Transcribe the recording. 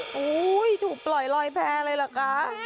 โอ้โหถูกปล่อยลอยแพ้เลยเหรอคะ